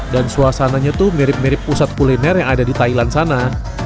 dan suasananya tuh mirip mirip pusat kuliner yang ada di thailand sana